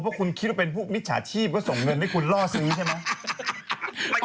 เพราะคุณคิดว่าเป็นพวกมิจฉาชีพก็ส่งเงินให้คุณล่อซื้อนี้ใช่ไหม